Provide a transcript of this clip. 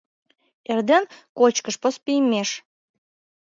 Эрден — кочкыш поспиймеш